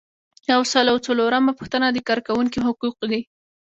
یو سل او څلورمه پوښتنه د کارکوونکي حقوق دي.